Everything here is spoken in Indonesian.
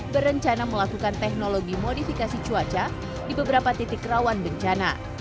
berencana melakukan teknologi modifikasi cuaca di beberapa titik rawan bencana